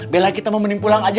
bela kita mau mending pulang aja